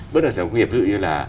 bất động sản công nghiệp ví dụ như là